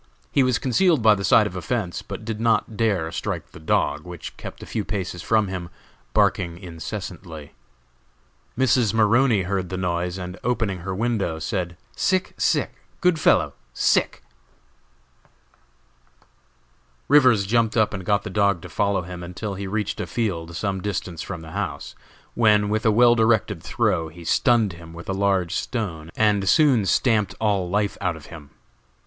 He was concealed by the side of a fence, but did not dare strike the dog, which kept a few paces from him, barking incessantly. Mrs. Maroney heard the noise, and opening her window, said; "Sic, sic; good fellow, sic." Rivers jumped up and got the dog to follow him until he reached a field some distance from the house, when, with a well directed throw he stunned him with a large stone, and soon stamped all life out of him.